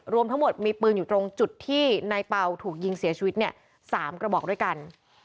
รวมทั้งหมดมีปืนอยู่ตรงจุดที่นายเป่าถูกยิงเสียชีวิตเนี่ย๓กระบอกด้วยกัน